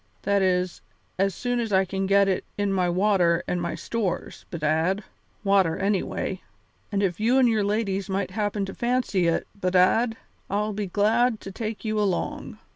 That is, as soon as I can get in my water and some stores, bedad water anyway. And if you and your ladies might happen to fancy it, bedad, I'd be glad to take you along.